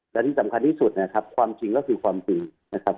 และที่สำคัญที่สุดนะครับความจริงก็คือความจริงนะครับ